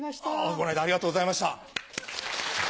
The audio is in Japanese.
この間ありがとうございました。